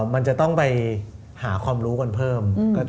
มันจะต้องไปหาความรู้กันเพิ่ม